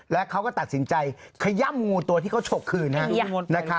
แล้วเขาก็ตัดสินใจขย่ำงูตัวที่เขาฉกคืน